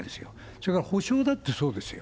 それから補償だってそうですよ。